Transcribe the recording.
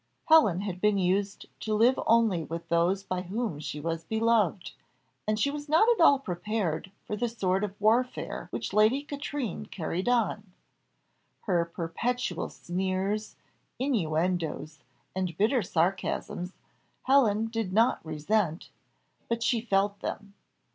Helen had been used to live only with those by whom she was beloved, and she was not at all prepared for the sort of warfare which Lady Katrine carried on; her perpetual sneers, innuendoes, and bitter sarcasms, Helen did not resent, but she felt them.